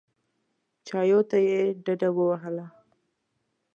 چایو ته یې ډډه ووهله.